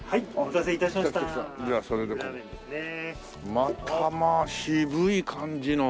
またまあ渋い感じの。